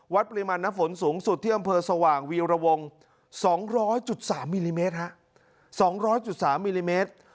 วัดปริมาณน้ำฝนสูงสุดที่อำเภอสว่างวิวระวง๒๐๐๓มิลลิเมตร